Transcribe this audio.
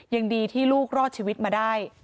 ยังดีที่ลูกรอดชีวิตมาได้